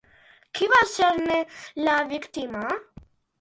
Qui va ser-ne la víctima?